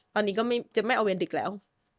ตอนนี้ก็จะไม่เอาเวรดึกแล้ว